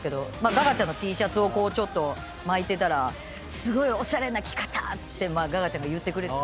ガガちゃんのＴシャツをこうちょっと巻いてたら「すごいおしゃれな着方」ってガガちゃんが言ってくれてた。